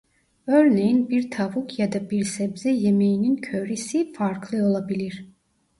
Örneğin bir tavuk ya da bir sebze yemeğinin "köri"si farklı olabilir.